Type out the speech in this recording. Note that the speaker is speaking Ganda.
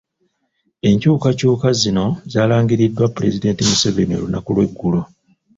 Ekyukakyuka zino zaalangiriddwa Pulezidenti Museveni olunaku lw’eggulo.